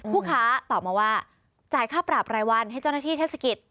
ผู้ค้าตอบมาว่าจ่ายค่าปรับรายวันให้เจ้าหน้าที่เทศกิจ